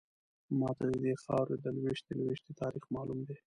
ماته ددې خاورې د لویشتې لویشتې تاریخ معلوم دی.